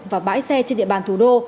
và bãi xe trên địa bàn thủ đô